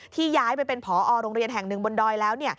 ที่ย้ายไปเป็นพอโรงเรียนแห่ง๑บนดอยแล้ว